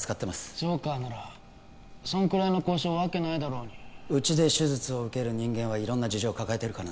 ジョーカーならそんくらいの交渉わけないだろうにうちで手術を受ける人間は色んな事情を抱えてるからね